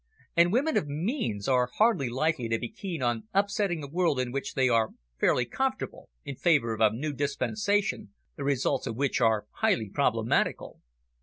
And women of means are hardly likely to be keen on upsetting a world in which they are fairly comfortable, in favour of a new dispensation, the results of which are highly problematical."